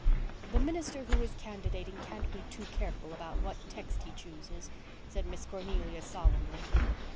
"The minister who is candidating can't be too careful what text he chooses," said Miss Cornelia solemnly.